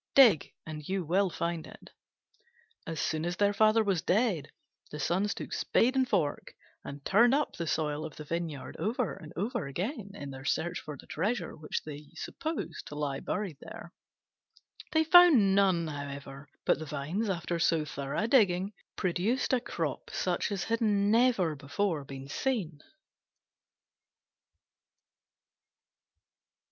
Dig, and you will find it." As soon as their father was dead, the Sons took spade and fork and turned up the soil of the vineyard over and over again, in their search for the treasure which they supposed to lie buried there. They found none, however: but the vines, after so thorough a digging, produced a crop such as had never before been seen.